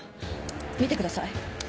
見てください。